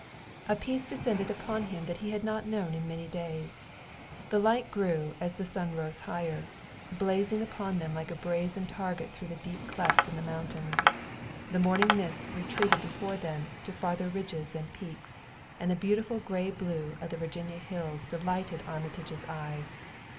A peace descended upon him that he had not known in many days. The light grew as the sun rose higher, blazing upon them like a brazen target through deep clefts in the mountains. The morning mists retreated before them to farther ridges and peaks, and the beautiful gray blue of the Virginia hills delighted Armitage's eyes.